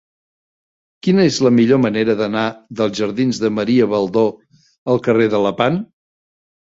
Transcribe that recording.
Quina és la millor manera d'anar dels jardins de Maria Baldó al carrer de Lepant?